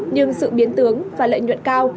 nhưng sự biến tướng và lợi nhuận cao